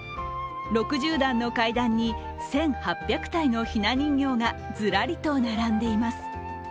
６０段の階段に１８００体のひな人形がずらりと並んでいます。